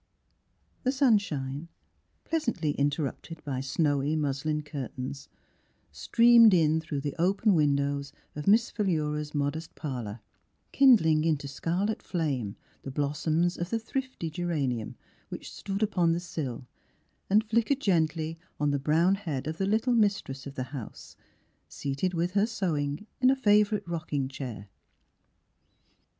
The sunshine, pleasantly in terrupted by snowy muslin curtains, streamed in through the open windows of Miss Philura's modest parlor, kin dling into scarlet flame the blossoms of the thrifty gera 62 Miss Phihtra nium which stood upon the sill, and flickered gently on the brown head of the little mistress of the house, seated with her sewing in a favorite rocking chair.